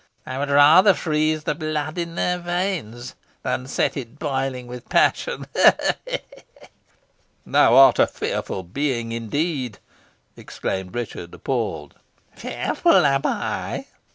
I would rather freeze the blood in their veins, than set it boiling with passion. Ho! ho!" "Thou art a fearful being, indeed!" exclaimed Richard, appalled. "Fearful, am I?"